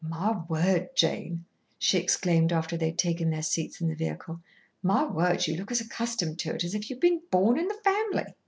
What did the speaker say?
"My word, Jane!" she exclaimed after they had taken their seats in the vehicle. "My word, you look as accustomed to it as if you had been born in the family."